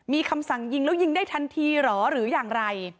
มีคำสั่งยิงแล้วยิงได้ทันทีเหรอหรืออย่างไร